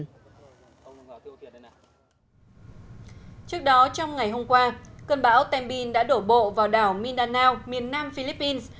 trước đó trong ngày hôm qua cơn bão tembin đã đổ bộ vào đảo mindanao miền nam philippines